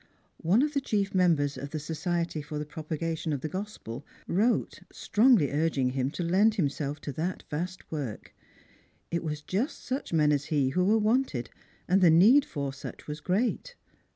One of the chief members of the Society for the Propagation of the Gospel wrote, strongly urging him to lend himself to that vast work. It was just such men as he who were wanted, and the need for such was great.